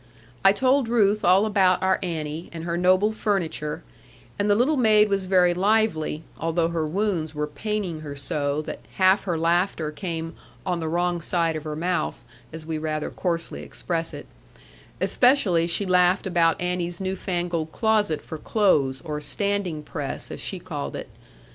I told Ruth all about our Annie, and her noble furniture; and the little maid was very lively (although her wounds were paining her so, that half her laughter came 'on the wrong side of her mouth,' as we rather coarsely express it); especially she laughed about Annie's new fangled closet for clothes, or standing press, as she called it.